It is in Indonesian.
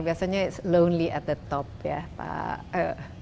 biasanya lonely at the top ya pak